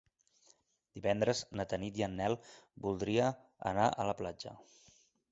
Divendres na Tanit i en Nel voldria anar a la platja.